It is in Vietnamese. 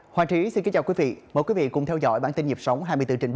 hoàng trí xin kính chào quý vị mời quý vị cùng theo dõi bản tin nhịp sống hai mươi bốn h